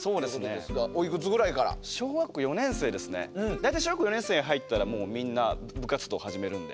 大体小学校４年生に入ったらみんな部活動始めるんで。